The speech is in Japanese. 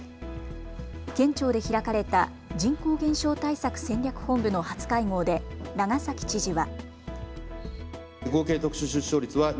県庁で開かれた人口減少対策戦略本部の初会合で長崎知事は。